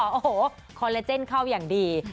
โอ้โหคอลลาเจนเข้าอย่างดี